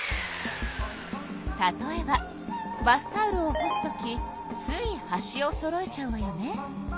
例えばバスタオルを干すときつい端をそろえちゃうわよね。